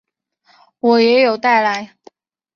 我也有带来